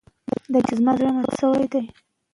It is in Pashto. که دسترخوان خلاص وي نو میلمه نه شرمیږي.